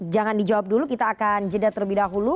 jangan dijawab dulu kita akan jeda terlebih dahulu